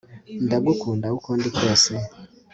Ndagukunda uko ndi kose